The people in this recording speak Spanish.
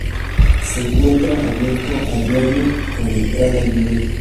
Se encuentra abierto a diário con entrada libre.